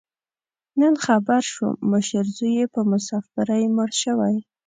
نن خبر شوم، مشر زوی یې په مسافرۍ مړ شوی.